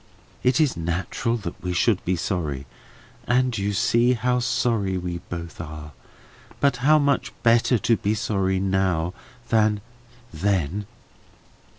It is natural that we should be sorry, and you see how sorry we both are; but how much better to be sorry now than then!"